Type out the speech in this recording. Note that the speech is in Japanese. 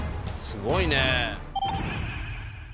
すごいね。